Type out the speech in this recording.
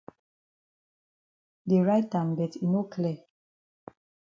Dey write am but e no clear.